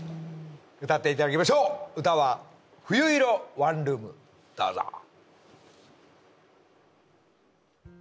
歌っていただきましょう歌は『冬色ワンルーム』どうぞ。